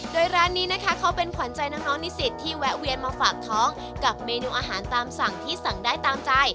โดยร้านนี้นะคะเขาเป็นขวัญใจน้องนิสิตที่แวะเวียนมาฝากท้องกับเมนูอาหารตามสั่งที่สั่งได้ตามใจ